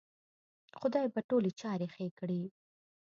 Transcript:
خدای به ټولې چارې ښې کړې